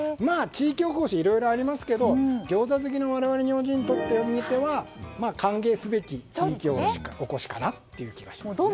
地域おこしはいろいろありますけど餃子好きの我々にとってみては歓迎すべき地域おこしかなという気がしますね。